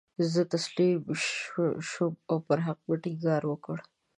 زه تسلیم نه شوم او پر حق مې ټینګار وکړ.